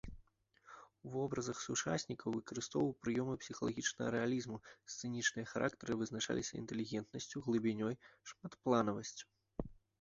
У вобразах сучаснікаў выкарыстоўваў прыёмы псіхалагічнага рэалізму, сцэнічныя характары вызначаліся інтэлігентнасцю, глыбінёй, шматпланавасцю.